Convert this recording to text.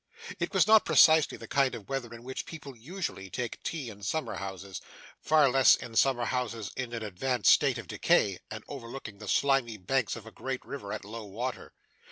It was not precisely the kind of weather in which people usually take tea in summer houses, far less in summer houses in an advanced state of decay, and overlooking the slimy banks of a great river at low water.